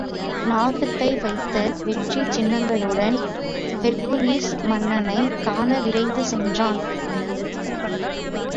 நாகத்தை வதைத்த வெற்றிச் சின்னங்களுடன் Hercules, மன்னனைக் காண விரைந்து சென்றான்.